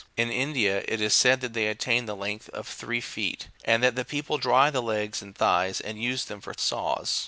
In India, it is said that they attain the length of three30 feet, and that the people dry the legs and thighs, and use them for saws.